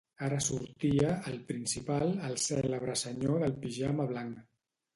Ara sortia, al principal, el cèlebre senyor del pijama blanc.